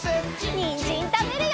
にんじんたべるよ！